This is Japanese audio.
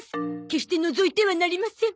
決してのぞいてはなりません。